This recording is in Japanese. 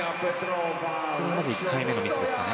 これが１回目のミスですね。